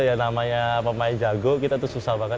ya namanya pemain jago kita tuh susah banget